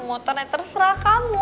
motor yang terserah kamu